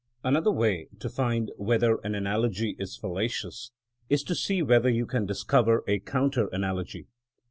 Another way to find whether an analogy is fallacious is to see whether you can discover a counter analogy.